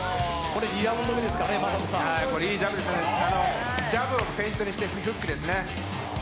これ、いいジャブですね、ジャブをフェイントにしてフックですね。